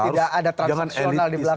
tidak ada transnasional di belakang